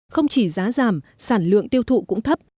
không chỉ giá giảm sản lượng tiêu thụ cũng thấp